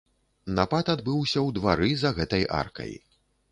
Напад адбыўся ў двары за гэтай аркай.